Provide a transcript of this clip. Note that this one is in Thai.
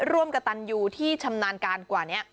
ร่วมกับตันยูที่ชำนาญการกว่านี้